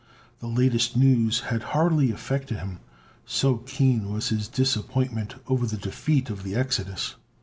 This latest news had hardly affected him, so keen was his disappointment over the defeat of the Exodus.